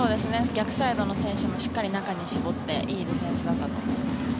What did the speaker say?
逆サイドの選手もしっかり中に絞っていいディフェンスだったと思います。